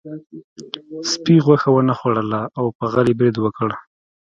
سپي غوښه ونه خوړله او په غل یې برید وکړ.